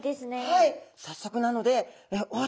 はい。